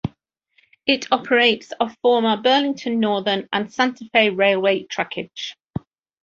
It operates of former Burlington Northern and Santa Fe Railway trackage.